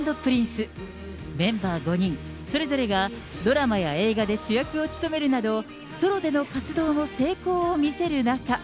メンバー５人、それぞれがドラマや映画で主役を務めるなど、ソロでの活動の成功を見せる中。